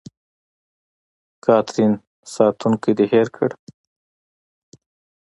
کاترین: ساتونکی دې هېر کړ.